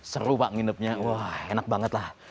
seru pak nginepnya wah enak banget lah